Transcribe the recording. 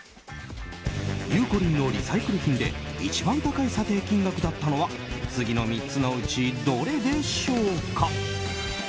ゆうこりんのリサイクル品で一番高い査定金額だったのは次の３つのうちどれでしょうか？